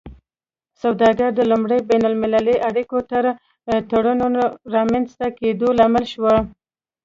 سوداګري د لومړي بین المللي اړیکو او تړونونو رامینځته کیدو لامل شوه